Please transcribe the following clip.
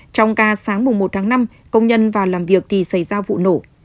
trong ca sáng mùng một tháng năm công nhân vào làm việc thì xảy ra vụ nổ